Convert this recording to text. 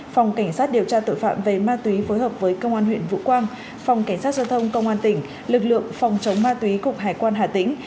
phòng cảnh sát điều tra tội phạm về ma túy phối hợp với công an huyện vũ quang phòng cảnh sát giao thông công an tỉnh lực lượng phòng chống ma túy cục hải quan hà tĩnh